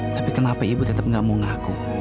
tapi kenapa ibu tetap gak mau ngaku